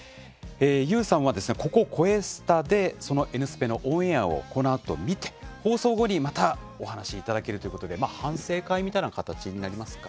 ＹＯＵさんはここ「こえスタ」でそのＮスペのオンエアをご覧いただいて放送後にまたお話いただけるということで反省会みたいな形になりますか？